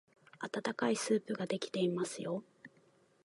あたたかいスープができていますよ。